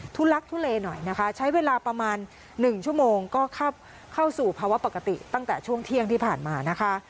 ทุลักทุเลหน่อยนะคะใช้เวลาประมาณ๑ชั่วโมงก็เข้าสู่ภาวะปกติตั้งแต่ช่วงเที่ยงที่ผ่านมานะคะ